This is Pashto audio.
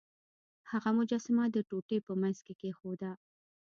هغه مجسمه د ټوټې په مینځ کې کیښوده.